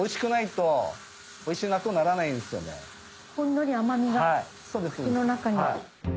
ほんのり甘みが口の中に。